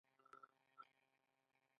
آیا په ګډه او یوځای نه وي؟